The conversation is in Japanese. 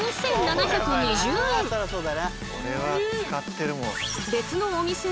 これは使ってるもん。